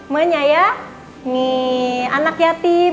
menyayangi anak yatim